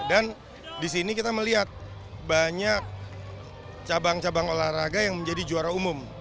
dan disini kita melihat banyak cabang cabang olahraga yang menjadi juara umum